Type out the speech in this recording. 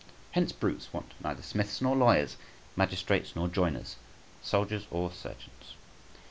Hence brutes want neither smiths nor lawyers, magistrates nor joiners, soldiers or surgeons.